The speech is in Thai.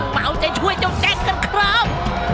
มาเอาใจช่วยเจ้าเจ็ดกันครับ